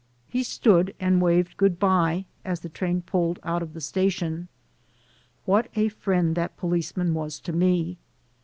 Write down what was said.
He stood and waved "good by" as the train pulled out of the station. What a friend that policeman was to me!